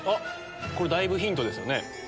だいぶヒントですよね。